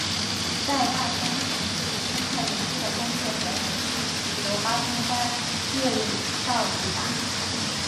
在大分从事生态研究的工作者也是藉由八通关越岭道抵达。